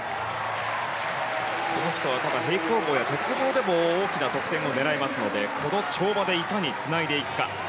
この人はただ平行棒や鉄棒でも大きな得点を狙えますのでこの跳馬でいかにつないでいくか。